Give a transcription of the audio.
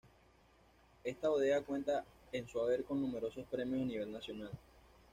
Esta bodega cuenta en su haber con numerosos premios a nivel nacional.